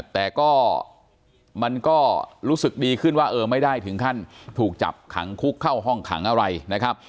แต่ก็มันก็รู้สึกดีขึ้นว่าเออไม่ได้ถึงขั้นถูกจับขังคุกเข้าห้องขังอะไรนะครับ